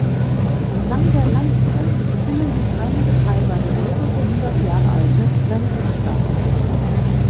Entlang der Landesgrenze befinden sich einige teilweise mehrere hundert Jahre alte Grenzsteine.